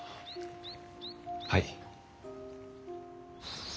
はい。